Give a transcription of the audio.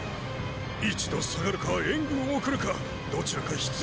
一度退がるか援軍を送るかどちらか必要では。